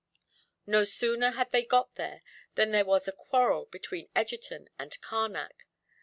No sooner had they got there than there was a quarrel between Egerton and Carnac.